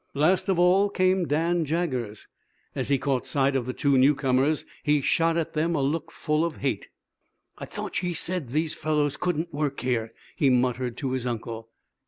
Last of all came Dan Jaggers. As he caught sight of the two newcomers he shot at them a look full of hate. "I thought ye said those fellers couldn't work here," he muttered to his uncle.